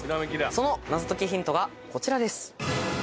その謎解きヒントがこちらです。